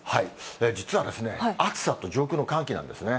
実は暑さと上空の寒気なんですね。